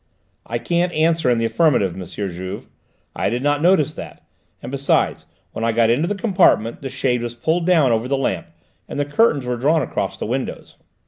"I can't answer in the affirmative, M. Juve. I did not notice that; and, besides, when I got into the compartment, the shade was pulled down over the lamp, and the curtains were drawn across the windows.